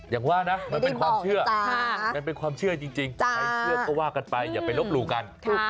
อย่างว่านะมันเป็นความเชื่อจริงใช้เชื่อก็ว่ากันไปอย่าไปลบหลู่กัน